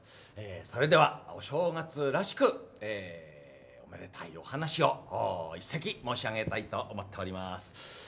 それではお正月らしくめでたいお話を一席申し上げたいと思っております。